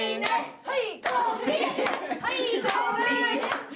はい！